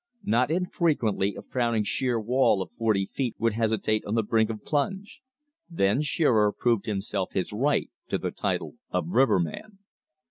Not infrequently a frowning sheer wall of forty feet would hesitate on the brink of plunge. Then Shearer himself proved his right to the title of riverman.